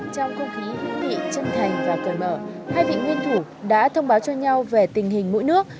trong không khí hữu nghị chân thành và cởi mở hai vị nguyên thủ đã thông báo cho nhau về tình hình mỗi nước